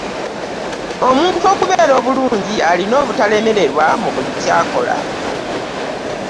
Omuntu okubeera obulungi alina obutalemererwa mu buli kyakola.